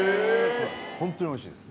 ホントにおいしいです